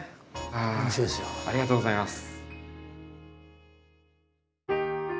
ありがとうございます。